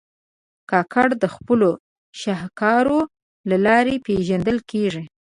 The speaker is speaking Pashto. کاکړ د خپلو شهکارو له لارې پېژندل کېږي.